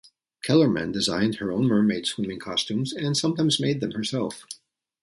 Kellermann designed her own mermaid swimming costumes and sometimes made them herself.